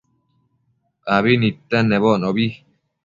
abi nidtenedbocnobi